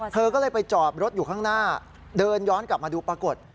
เธอก็เลยไปจอดรถอยู่ข้างหน้าเดินย้อนกลับมาดูปรากฏ